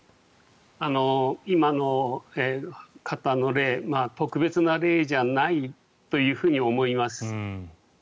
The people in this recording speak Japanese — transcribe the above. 今の方の例特別な例じゃないと思います。